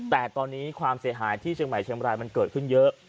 แต่ตอนนี้ความเสียหายที่เชียงใหม่เชียงบรายมันเกิดขึ้นเยอะ